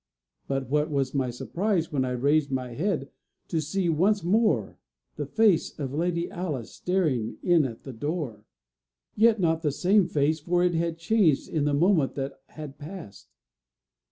But what was my surprise when I raised my head, to see once more the face of Lady Alice staring in at the door! yet not the same face, for it had changed in the moment that had passed.